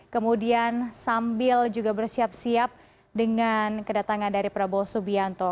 kemudian sambil juga bersiap siap dengan kedatangan dari prabowo subianto